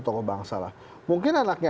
tokoh bangsa lah mungkin anaknya